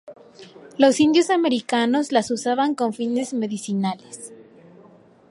Los indios americanos las usaban con fines medicinales.